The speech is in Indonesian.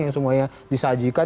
yang semuanya disajikan